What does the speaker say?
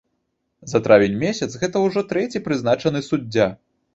За травень месяц гэта ўжо трэці прызначаны суддзя.